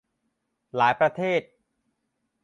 หลายประเทศ